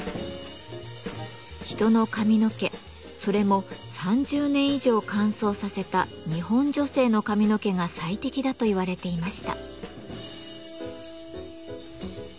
人の髪の毛それも３０年以上乾燥させた日本女性の髪の毛が最適だと言われていました。